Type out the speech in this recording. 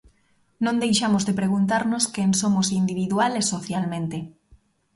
Non deixamos de preguntarnos quen somos individual e socialmente.